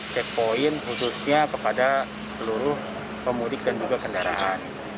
cek poin khususnya kepada seluruh pemudik dan juga kendaraan